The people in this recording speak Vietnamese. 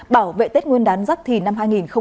bảo vệ tết nguyên đán giáp thì năm hai nghìn hai mươi bốn